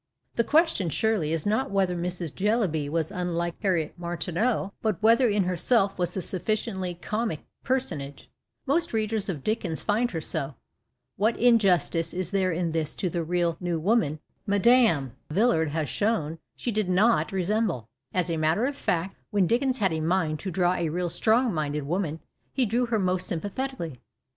The question, surely, is not whether Mrs. Jellyby was unlike Harriet Martineau, 286 N I N E T E E N T H C E N T U R Y W O M A N but whether in herself she was a sufficiently comic personage. Most readers of Dickens find her so. What injustice is there in this to the real " new woman," whom, as Mme. Villard has sho^v^^, she did not resemble ? As a matter of fact, when Dickens had a mind to draw a real " strong minded " woman he drew her most sympathetically.